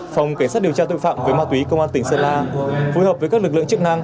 phòng cảnh sát điều tra tội phạm với ma túy công an tỉnh sơn la phối hợp với các lực lượng chức năng